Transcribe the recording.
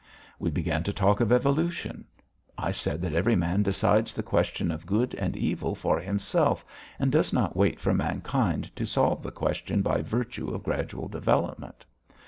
We began to talk of evolution. I said that every man decides the question of good and evil for himself, and does not wait for mankind to solve the question by virtue of gradual development.